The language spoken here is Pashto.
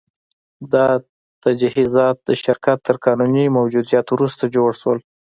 دا تجهیزات د شرکت تر قانوني موجودیت وروسته جوړ شول